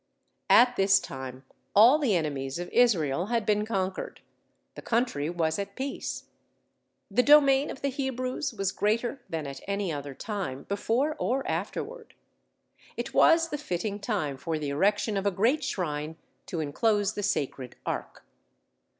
At this time all the enemies of Israel had been conquered, the country was at peace; the domain of the Hebrews was greater than at any other time, before or afterward. It was the fitting time for the erection of a great shrine to enclose the sacred ark.